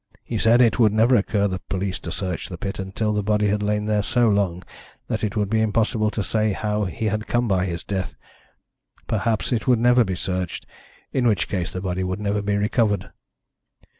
He said it would never occur to the police to search the pit, until the body had lain there so long that it would be impossible to say how he came by his death. Perhaps it would never be searched, in which case the body would never be recovered.